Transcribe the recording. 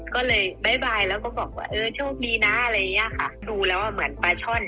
ก็เลยบ๊ายบายแล้วก็บอกว่าเออโชคดีนะอะไรอย่างเงี้ยค่ะดูแล้วอ่ะเหมือนปลาช่อน